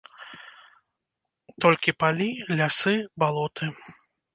Толькі палі, лясы, балоты.